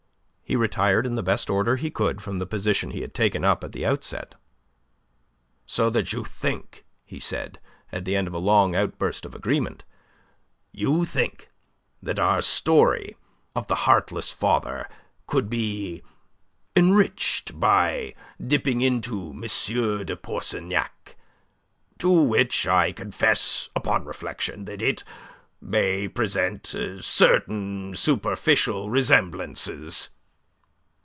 He retired in the best order he could from the position he had taken up at the outset. "So that you think," he said, at the end of a long outburst of agreement, "you think that our story of 'The Heartless Father' could be enriched by dipping into 'Monsieur de Pourceaugnac,' to which I confess upon reflection that it may present certain superficial resemblances?"